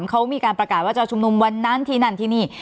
เค้ามีการประกาศว่าจะอาจจะวันนั้นทีนั่นทีนี่